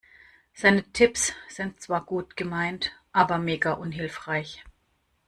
Seine Tipps sind zwar gut gemeint aber mega unhilfreich.